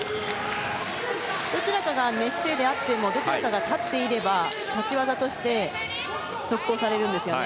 どちらかが寝姿勢であってもどちらかが立っていれば立ち姿勢で続行になるんですね。